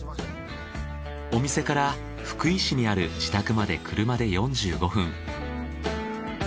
お店から福井市にある自宅まで車で４５分。